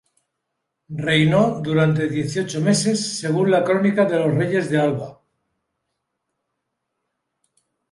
Reinó durante dieciocho meses, según la Crónica de los reyes de Alba.